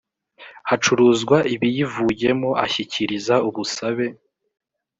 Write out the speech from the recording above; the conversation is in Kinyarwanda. hacuruzwa ibiyivuyemo ashyikiriza ubusabe